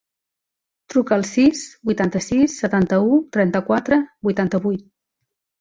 Truca al sis, vuitanta-sis, setanta-u, trenta-quatre, vuitanta-vuit.